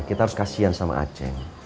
kita harus kasian sama aceh